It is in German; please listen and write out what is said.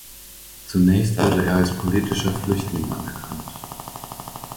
Zunächst wurde er als politischer Flüchtling anerkannt.